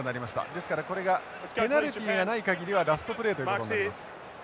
ですからこれがペナルティがない限りはラストプレーということになります。